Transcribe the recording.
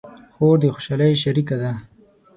خور د خوشحالۍ شریکه ده.